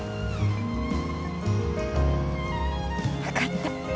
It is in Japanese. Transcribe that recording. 分かった。